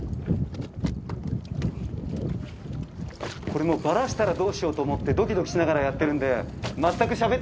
「これもうばらしたらどうしようと思ってドキドキしながらやってるんで全くしゃべってないです」